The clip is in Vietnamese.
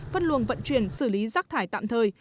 phân luồng vận chuyển xử lý rác thải tạm thời